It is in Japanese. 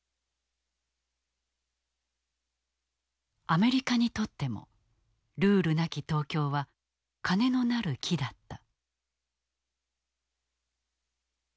アメリカにとってもルールなき東京は金のなる木だった。